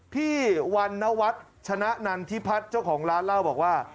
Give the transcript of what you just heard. พี่วันนวัฒน์ชนะนันทิพัฒน์เจ้าของร้านเล่าบอกว่า